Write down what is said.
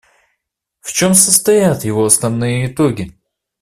В чем состоят его основные итоги?